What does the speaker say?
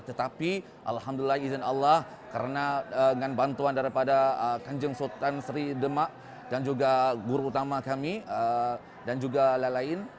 tetapi alhamdulillah izin allah karena dengan bantuan daripada kanjeng sultan sri demak dan juga guru utama kami dan juga lain lain